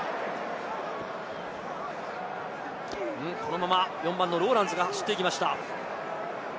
このまま４番のロウランズが走っていきました。